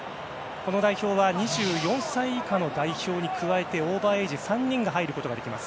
この代表は２４歳以下の代表に加えてオーバーエージ３人が入ることができます。